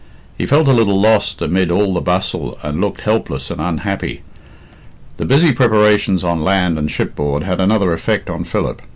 He felt a little lost amid all the bustle, and looked helpless and unhappy. The busy preparations on land and shipboard had another effect on Philip.